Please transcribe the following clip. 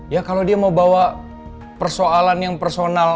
ya kalau dia mau bawa persoalan yang personal